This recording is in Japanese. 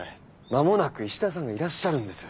間もなく石田さんがいらっしゃるんです。